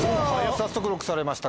早速ＬＯＣＫされました。